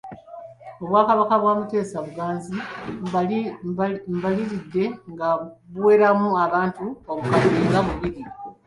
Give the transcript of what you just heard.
Obwakabaka bwa Mutesa bugazi, mbaliridde nga buweramu abantu obukadde nga bubiri.